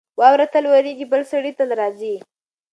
واوره تل اورېږي. بل سړی تل راځي.